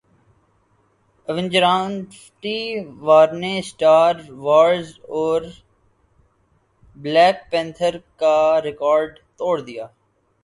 Avenger Infinity وارنے Star Wars اور Black Panther کاریکارڈ توڑدیا